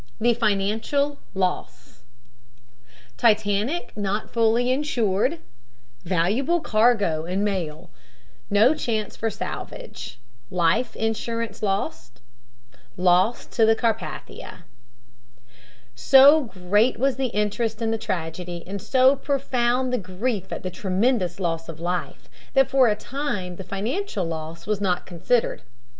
THE FINANCIAL LOSS TITANIC NOT FULLY INSURED VALUABLE CARGO AND MAIL NO CHANCE FOR SALVAGE LIFE INSURANCE LOSS LOSS TO THE CARPATHIA SO great was the interest in the tragedy and so profound the grief at the tremendous loss of life that for a time the financial loss was not considered.